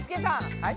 はい。